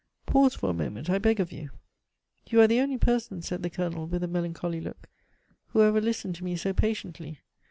Pause for a moment, I beg of you." "You are the only person," said the Colonel, with a melancholy look, "who ever listened to me so patiently.